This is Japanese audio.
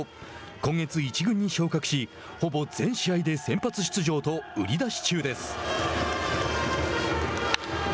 今月１軍に昇格しほぼ全試合で先発出場と売り出し中です。